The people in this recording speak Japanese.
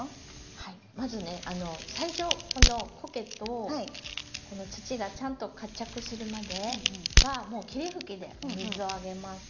はいまずね最初このコケと土がちゃんと活着するまではもう霧吹きでお水をあげます。